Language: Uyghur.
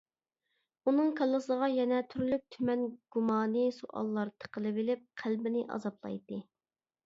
ئۇنىڭ كاللىسىغا يەنە تۈرلۈك-تۈمەن گۇمانىي سوئاللار تىقىلىۋېلىپ قەلبىنى ئازابلايتتى.